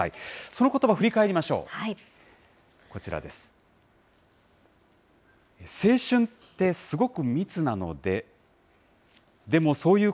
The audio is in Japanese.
そのことば振り返りましょう。